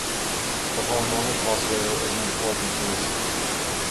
The harmonic oscillator is an important case.